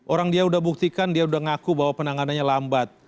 orang dia sudah buktikan dia sudah ngaku bahwa penanganannya lambat